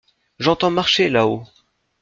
J’entends marcher là-haut…